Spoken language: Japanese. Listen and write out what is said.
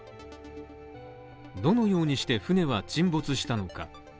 どのようにして船は沈没したのか。